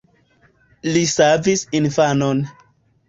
Li savis infanon.